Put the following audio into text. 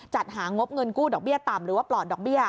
จัดหางบเงินกู้ดอกเบี้ยต่ำหรือว่าปลอดดอกเบี้ย